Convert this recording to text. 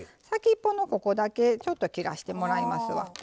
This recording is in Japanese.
先っぽのここだけちょっと切らしてもらいますわ。